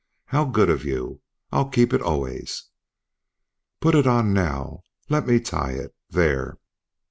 "How good of you! I'll keep it always." "Put it on now let me tie it there!"